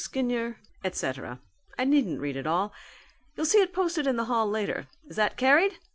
Skinyer, et cetera I needn't read it all. You'll see it posted in the hall later. Is that carried?